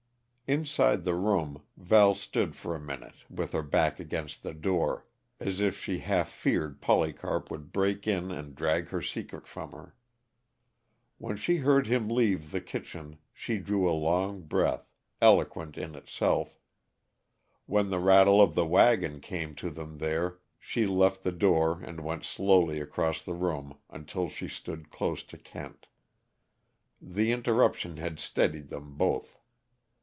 Inside the room, Val stood for a minute with her back against the door, as if she half feared Polycarp would break in and drag her secret from her. When she heard him leave the kitchen she drew a long breath, eloquent in itself: when the rattle of the wagon came to them there, she left the door and went slowly across the room until she stood close to Kent. The interruption had steadied them both.